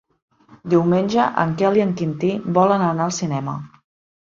Diumenge en Quel i en Quintí volen anar al cinema.